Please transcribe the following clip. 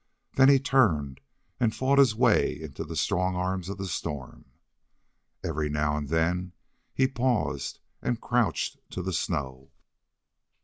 Then he turned and fought his way into the strong arms of the storm. Every now and then he paused and crouched to the snow.